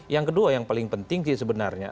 yang kedua yang paling penting sih sebenarnya